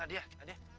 apa lagi sekarang